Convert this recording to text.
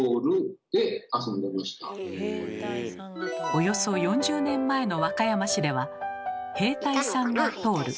およそ４０年前の和歌山市では「へいたいさんがとおる」